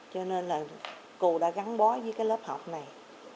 cô đã gắn bó với cái lớp học này